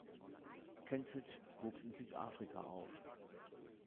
Kentridge wuchs in Südafrika auf.